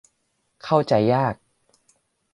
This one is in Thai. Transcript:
เข้าใจยาก